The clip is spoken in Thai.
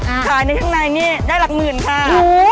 ขายในข้างในนี่ได้หลักหมื่นค่ะ